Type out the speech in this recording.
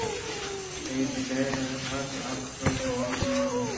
تئی دل ءَ ہرکس ءَ زور مان